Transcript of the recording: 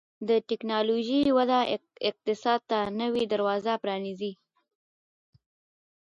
د ټکنالوژۍ وده اقتصاد ته نوي دروازې پرانیزي.